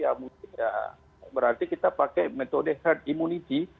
ya berarti kita pakai metode herd immunity